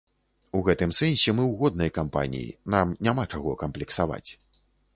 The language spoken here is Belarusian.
У гэтым сэнсе мы ў годнай кампаніі, нам няма чаго камплексаваць.